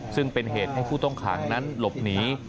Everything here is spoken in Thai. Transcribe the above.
ซึ่งเป็นเหตุให้ผู้ต้องขังนั้นหลบหนี